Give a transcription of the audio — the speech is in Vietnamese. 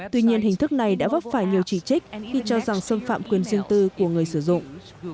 tuy nhiên hình thức này đã vấp phải nhiều chỉ trích khi cho rằng xâm phạm quyền riêng tư của người sử dụng